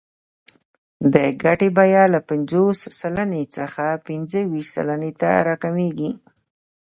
د ګټې بیه له پنځوس سلنې څخه پنځه ویشت سلنې ته راکمېږي